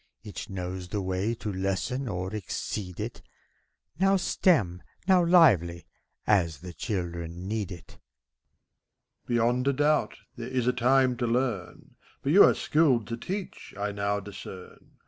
Each knows the way to lessen or exceed it, Now stem, now lively, as the children need it. MEPHISTOPHELES. Beyond a doubt, there is a time to learn; But you are skilled to teach, I now discern.